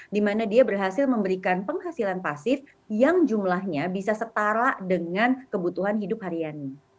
dimana dia berhasil memberikan penghasilan pasif yang jumlahnya bisa setara dengan kebutuhan hidup hariannya